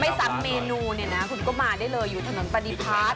ไม่ซ้ำเมนูนี่นะคุณมาได้เลยอยู่ถนนตะดิพัด